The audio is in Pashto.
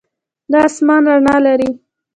دا آسمان رڼا لري.